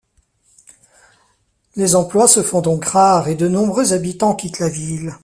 Les emplois se font donc rares et de nombreux habitants quittent la ville.